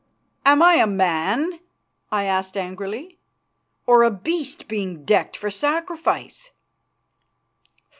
"Am I a man," I asked angrily, "or a beast being decked for sacrifice?"